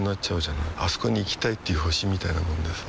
あそこに行きたいっていう星みたいなもんでさ